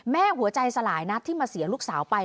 หัวใจสลายนัดที่มาเสียลูกสาวไป